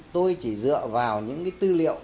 tôi chỉ dựa vào những tư liệu